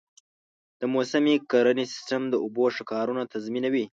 د موسمي کرنې سیستم د اوبو ښه کارونه تضمینوي.